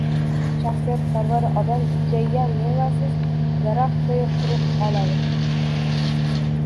Shaxsiyatparast odam tikkaygan mevasiz daraxtday qurib boradi